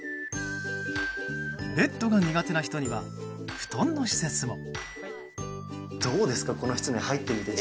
ベッドが苦手な人には布団の施設も。